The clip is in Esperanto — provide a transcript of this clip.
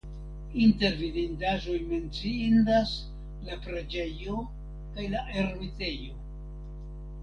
Inter vidindaĵoj menciindas la preĝejo kaj la ermitejo.